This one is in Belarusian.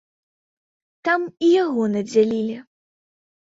Там і яго надзялілі.